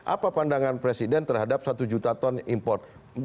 apa pandangan presiden terhadap satu juta ton import